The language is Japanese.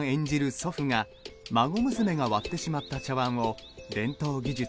祖父が孫娘が割ってしまった茶わんを伝統技術